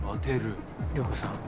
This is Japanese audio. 涼子さん